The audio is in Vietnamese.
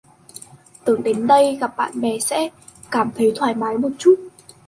tưởng đến đây gặp bạn bè sẽ cảm thấy thoải mái một chút